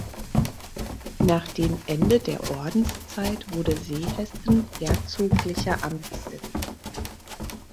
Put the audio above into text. Nach dem Ende der Ordenszeit wurde Seehesten herzoglicher Amtssitz.